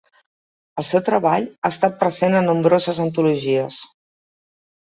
El seu treball ha estat present en nombroses antologies.